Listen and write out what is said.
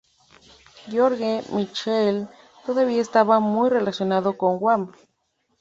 George Michael todavía estaba muy relacionado con Wham!